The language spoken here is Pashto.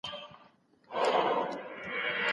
محبت د الله تعالی لخوا دی او کرکه د شيطان لخوا ده.